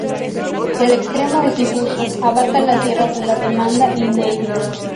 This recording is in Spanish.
El extremo es difuso, abarca las Sierras de la Demanda y Neila.